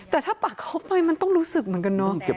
แต่ถ้าปักเข้าไปมันต้องรู้สึกเหมือนกันเนาะ